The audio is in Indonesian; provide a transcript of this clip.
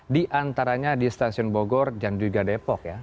di antaranya di stasiun bogor dan dugardepok ya